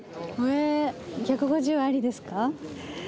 え１５０ありですか？